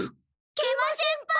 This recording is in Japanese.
食満先輩！